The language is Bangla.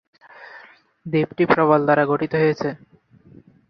দ্বীপটি প্রবাল দ্বারা গঠিত হয়েছে।